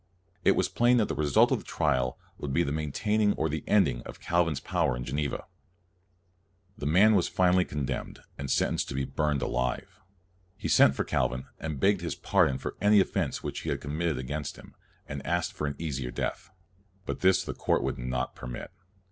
It was plain that the result of the trial would be the maintaining or the ending of Calvin's power in Geneva. The man was finally condemned, and sen tenced to be burned alive. He sent for Calvin and begged his pardon for any offense which he had committed against him, and asked for an easier death; but this the court would not permit.